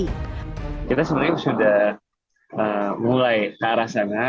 kita sebenarnya sudah mulai ke arah sana